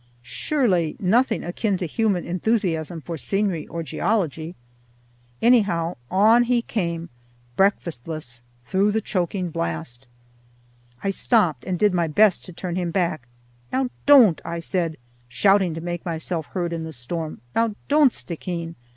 Surely nothing akin to human enthusiasm for scenery or geology. Anyhow, on he came, breakfastless, through the choking blast. I stopped and did my best to turn him back. "Now don't," I said, shouting to make myself heard in the storm, "now don't, Stickeen.